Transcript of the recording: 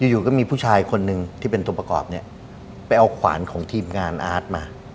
อยู่ก็มีผู้ชายคนหนึ่งที่เป็นตัวประกอบเนี่ยไปเอาขวานของทีมงานอาร์ตมา